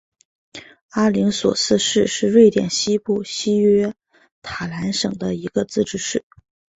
阿灵索斯市是瑞典西部西约塔兰省的一个自治市。